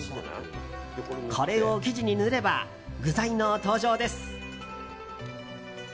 これを生地に塗れば具材の登場です。